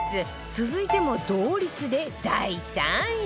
続いても同率で第３位